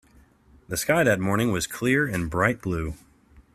The sky that morning was clear and bright blue.